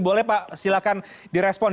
boleh pak silakan direspon